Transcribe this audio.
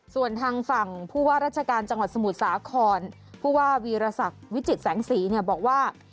ส่วนทางฝั่งผู้ว่าราชการจังหวัดสมุทรสาครผู้ว่าวีรศักดิ์วิจิตแสงสีเนี่ยบอกว่า